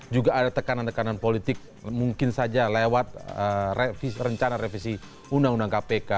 juga ada tekanan tekanan politik mungkin saja lewat rencana revisi undang undang kpk